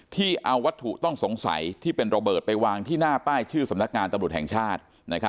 ที่เอาวัตถุต้องสงสัยที่เป็นระเบิดไปวางที่หน้าป้ายชื่อสำนักงานตำรวจแห่งชาติ